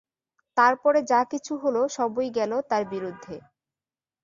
তার পরে যা-কিছু হল সবই গেল তার বিরুদ্ধে।